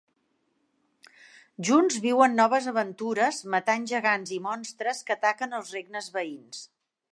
Junts viuen noves aventures, matant gegants i monstres que ataquen els regnes veïns.